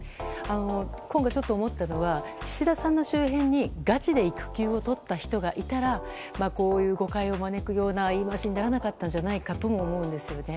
ちょっと思ったのは岸田さんの周辺にガチで育休を取った人がいたらこういう誤解を招くような言い回しにならなかったんじゃないかと思うんですよね。